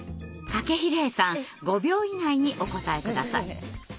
筧礼さん５秒以内にお答え下さい。